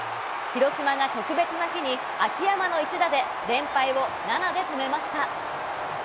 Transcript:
広島が特別な日に、秋山の一打で連敗を７で止めました。